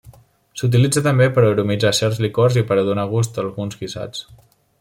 S'utilitza també per a aromatitzar certs licors i per a donar gust a alguns guisats.